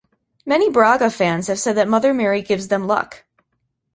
Many Braga fans have said that Mother Mary gives them luck.